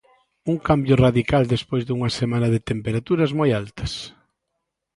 Un cambio radical despois dunha semana de temperaturas moi altas.